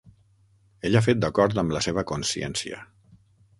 Ell ha fet d'acord amb la seva consciència.